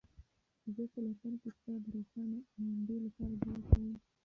زه په لندن کې ستا د روښانه ایندې لپاره دعا کوم.